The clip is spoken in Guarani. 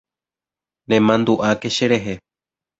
Nemandu'áke cherehe.